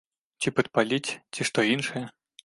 Ці падпаліць, ці што іншае?